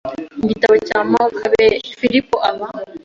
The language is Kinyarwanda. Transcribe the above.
Mu gitabo cya Makabe Filipo aba